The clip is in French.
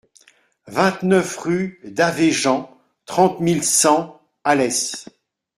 vingt-neuf rue d'Avéjan, trente mille cent Alès